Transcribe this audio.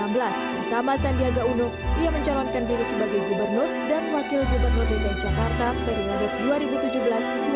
bersama sandiaga uno ia mencalonkan diri sebagai gubernur dan wakil gubernur dki jakarta periode dua ribu tujuh belas dua ribu dua puluh